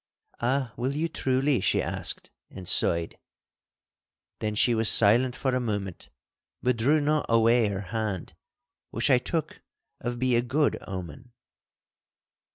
'Ah, will you truly?' she asked, and sighed. Then she was silent for a moment but drew not away her hand, which I took of be a good omen.